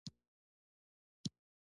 سږکال یې چاردېواله تاو کړه.